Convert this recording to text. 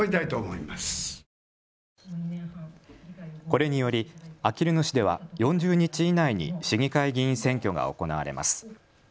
これによりあきる野市では４０日以内に市議会議員選挙が行われます。